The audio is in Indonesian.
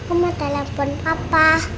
aku mau telepon papa